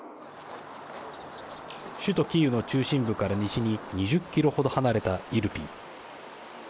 首都キーウの中心部から西に２０キロ程離れたイルピン。